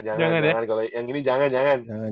jangan ya yang ini jangan jangan